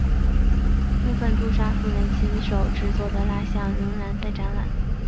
部分杜莎夫人亲手制作的蜡象仍然在展览。